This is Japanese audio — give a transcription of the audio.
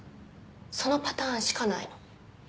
そのパターンしかないの。